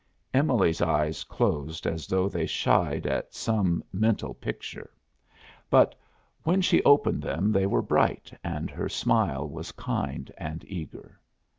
Emily's eyes closed as though they shied at some mental picture. But when she opened them they were bright, and her smile was kind and eager.